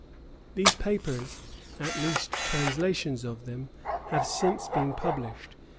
These papers, at least translations of them, have since been published.